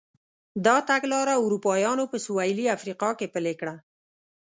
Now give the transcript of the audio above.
دا تګلاره اروپایانو په سوېلي افریقا کې پلې کړه.